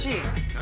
何？